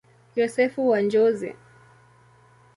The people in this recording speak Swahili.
Yosefu wa Njozi.